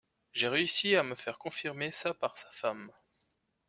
J’ai réussi à me faire confirmer ça par sa femme.